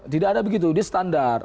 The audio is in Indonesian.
tidak ada begitu dia standar